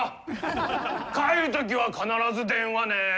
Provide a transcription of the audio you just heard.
帰るときは必ず電話ね！